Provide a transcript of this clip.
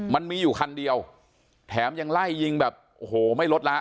มันมีอยู่คันเดียวแถมยังไล่ยิงแบบโอ้โหไม่ลดละ